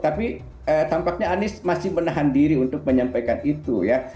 tapi tampaknya anies masih menahan diri untuk menyampaikan itu ya